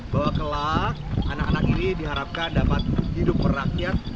bahwa kelak anak anak ini diharapkan dapat hidup merakyat